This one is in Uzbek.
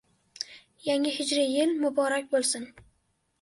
Yangi hijriy yil muborak bo‘lsin!